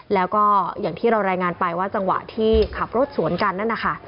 แล้วก็อย่างที่เรารายงานไปว่าจังหวะที่ขับรถสวนกันนั่นนะคะ